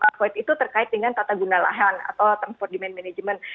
avoid itu terkait dengan tata guna lahan atau transport demand management